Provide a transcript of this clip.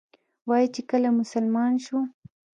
وایي چې کله مسلمان شو.